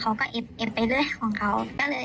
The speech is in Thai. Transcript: เขาก็เอ็ดไปเลยของเขา